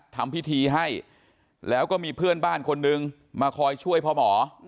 ทำพิธีให้แล้วก็มีเพื่อนบ้านคนนึงมาคอยช่วยพ่อหมอ